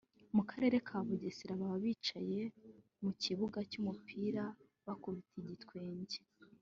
mu Karere ka Bugesera baba bicaye mu kibuga cy’umupira bakubita igitwenge